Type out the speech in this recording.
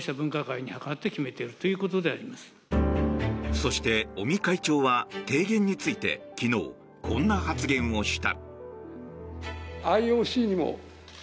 そして、尾身会長は提言について昨日、こんな発言をした。